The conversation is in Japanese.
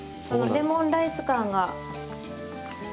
レモンライス感が。